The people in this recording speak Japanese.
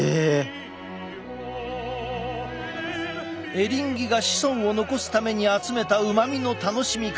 エリンギが子孫を残すために集めたうまみの楽しみ方。